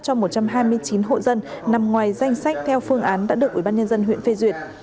cho một trăm hai mươi chín hộ dân nằm ngoài danh sách theo phương án đã được ubnd huyện phê duyệt